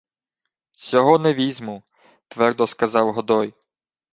— Сього не візьму, — твердо сказав Годой.